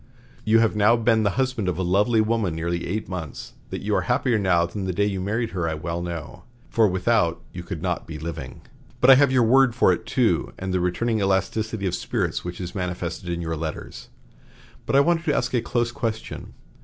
You have now been the husband of a lovely woman nearly eight months. That you are happier now than the day you married her I well know, for without you could not be living. But I have your word for it too, and the returning elasticity of spirits which is manifested in your letters. But I want to ask a close question.